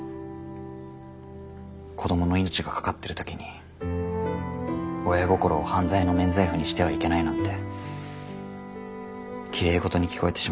子供の命が懸かってる時に親心を犯罪の免罪符にしてはいけないなんてきれい事に聞こえてしまって。